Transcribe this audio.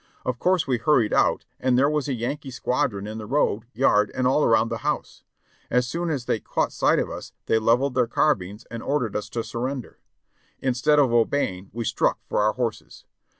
Of course we hurried out, and there was a Yankee squadron in the road, yard, and all around the house. As soon as they caught sight of us they leveled their carbines and ordered us to surrender; instead of obeying we struck for our horses.